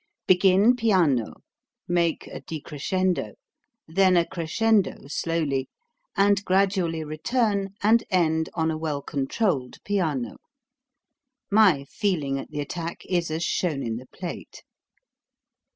Begin piano, made a decrescendo, then a crescendo slowly, and gradually return and end on a well controlled piano. My feeling at the at tack is as shown in the plate.